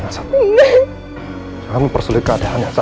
jangan persulit keadaan nisa